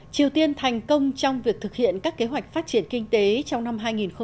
triều tiên thành công trong việc thực hiện các kế hoạch phát triển kinh tế trong năm hai nghìn hai mươi